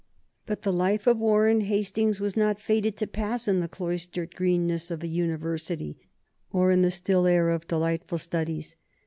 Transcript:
But the life of Warren Hastings was not fated to pass in the cloistered greenness of a university or in the still air of delightful studies.